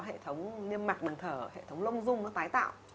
hệ thống niêm mặt bằng thở hệ thống lông rung nó tái tạo